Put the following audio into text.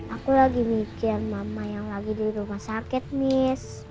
aku lagi mikir mama yang lagi di rumah sakit miss